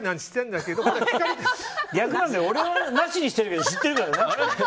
逆なんだよ、俺はなしにしてるけど知ってるからね。